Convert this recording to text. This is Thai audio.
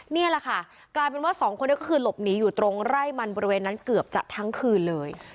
นี่แหละค่ะกลายเป็นว่าสองคนนี้ก็คือหลบหนีอยู่ตรงไร่มันบริเวณนั้นเกือบจะทั้งคืนเลย